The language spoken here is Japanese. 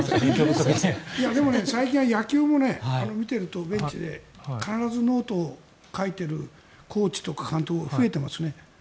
最近は野球も見ているとベンチで必ずノートを書いているコーチとか監督が増えていますね。